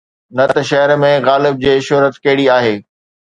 نه ته شهر ۾ غالب جي شهرت ڪهڙي آهي؟